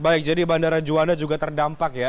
baik jadi bandara juanda juga terdampak ya